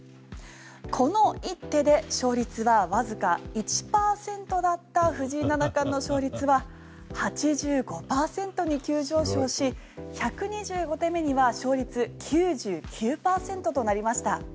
この一手で勝率はわずか１％だった藤井七冠の勝率は８５％に急上昇し１２５手目には勝率９９％となりました。